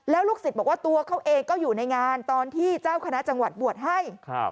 ลูกศิษย์บอกว่าตัวเขาเองก็อยู่ในงานตอนที่เจ้าคณะจังหวัดบวชให้